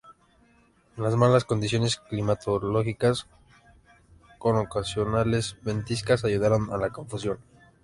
Las malas condiciones climatológicas, con ocasionales ventiscas, ayudaron a la confusión.